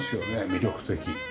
魅力的。